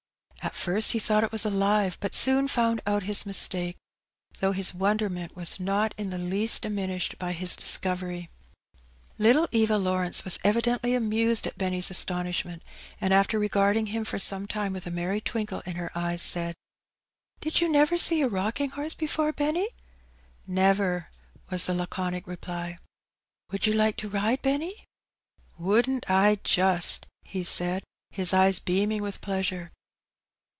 At first he thought it was ahve, but soon found out his mistake, though his wonderment was not in the least diminished by his discovery. Little Eva Lawrence was evidently amused at Benny's astonishment, and after regarding him for some time with a merry twinkle in her eyes, said — ''Did you never see a rocking horse before, Benny!" "Never!" was the laconic reply. "Would you like to ride, Benny?" " Wouldn't I just !" he said, his eyes beaming with pleasure.